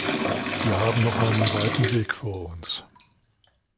Wir haben noch einen weiten Weg vor uns.